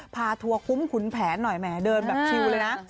ทัวร์คุ้มขุนแผนหน่อยแหมเดินแบบชิวเลยนะ